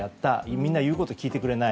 みんな言うことを聞いてくれない。